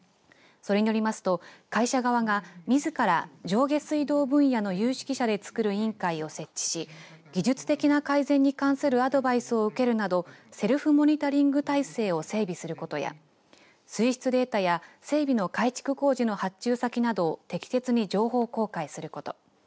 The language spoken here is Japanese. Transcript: それによりますと会社側がみずから上下水道分野の有識者でつくる委員会を設置し技術的な改善に関するアドバイスを受けるなどセルフモニタリング体制を整備することや水質データや整備の改築工事の発注先などを適切に情報公開すること。